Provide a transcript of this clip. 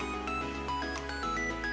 dan juga gampang membuatnya